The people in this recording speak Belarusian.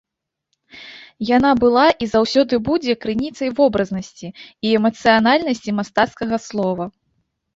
Яна была і заўсёды будзе крыніцай вобразнасці і эмацыянальнасці мастацкага слова.